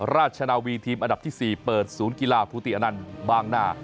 ราชนาวีทีมอันดับที่๔เปิดศูนย์กีฬาภูติอนันต์บางนา